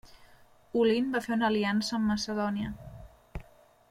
Olint va fer una aliança amb Macedònia.